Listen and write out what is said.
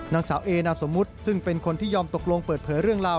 นางสาวเอนามสมมุติซึ่งเป็นคนที่ยอมตกลงเปิดเผยเรื่องราว